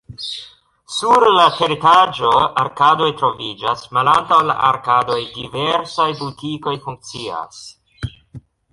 Sur la teretaĝo arkadoj troviĝas, malantaŭ la arkadoj diversaj butikoj funkcias.